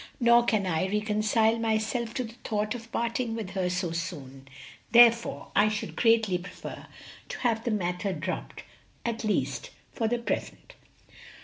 Nor can I reconcile myself to the thought of parting with her so soon; therefore I should greatly prefer to have the matter dropped, at least for the present."